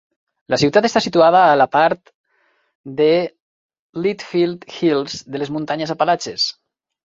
La ciutat està situada a la part de Litchfield Hills de les Muntanyes Apalatxes.